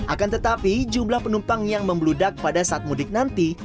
akan tetapi jumlah penumpang yang membludak pada saat mudik nanti